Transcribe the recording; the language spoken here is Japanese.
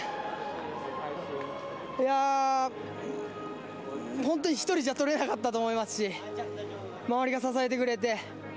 いやあ、本当に１人じゃとれなかったと思いますし、周りが支えてくれて。